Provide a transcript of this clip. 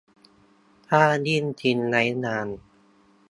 ถ้ายิ่งทิ้งไว้นาน